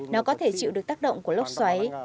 nó có thể chịu được tác động của lốc xoáy